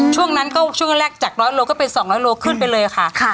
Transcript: ช่วงนั้นก็ช่วงแรกจาก๑๐๐โลก็เป็น๒๐๐โลขึ้นไปเลยค่ะ